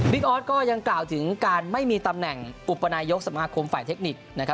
ออสก็ยังกล่าวถึงการไม่มีตำแหน่งอุปนายกสมาคมฝ่ายเทคนิค